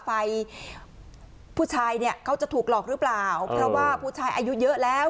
ฝ่ายผู้ชายเนี่ยเขาจะถูกหลอกหรือเปล่าเพราะว่าผู้ชายอายุเยอะแล้ว